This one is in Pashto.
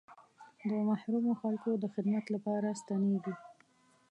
د محرومو خلکو د خدمت لپاره ستنېږي.